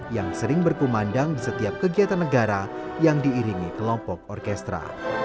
yang sering berkumandang di setiap kegiatan negara yang diiringi kelompok orkestra